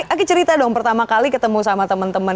aki cerita dong pertama kali ketemu sama teman teman